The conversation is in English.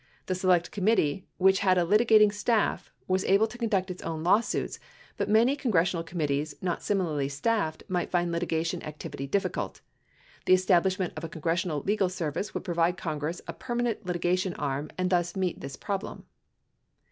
The Select Committee, which had a litigating staff, was able to conduct its own lawsuits, but many congressional committees, not similarly staffed, might find litigation activity difficult. The establish ment of a Congressional Legal Service would provide Congress a permanent litigation arm and thus meet this problem.